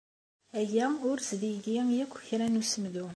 Aya ur as-d-igi akk kra n usemdu.